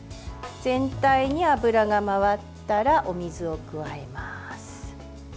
全体に油が回ったらお水を加えます。